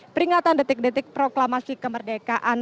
peringatan detik detik proklamasi kemerdekaan